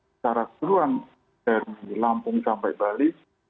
secara keseluruhan dari lampung sampai bali